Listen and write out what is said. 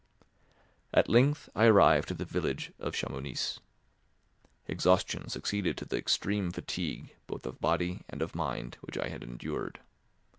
At length I arrived at the village of Chamounix. Exhaustion succeeded to the extreme fatigue both of body and of mind which I had endured.